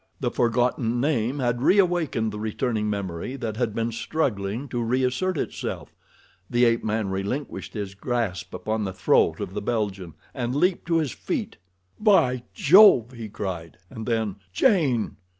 The forgotten name had reawakened the returning memory that had been struggling to reassert itself. The ape man relinquished his grasp upon the throat of the Belgian, and leaped to his feet. "God!" he cried, and then, "Jane!"